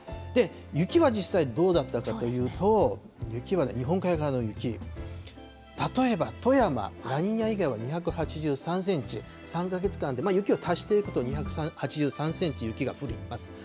雪は実際どうだったかというと、雪は日本海側の雪、例えば、富山、ラニーニャ以外は２８３センチ、３か月間で、雪を足していくと２８３センチ雪が降っています。